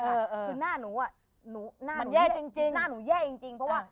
คือหน้าหนูอ่ะหน้าหนูแย่จริงเพราะว่า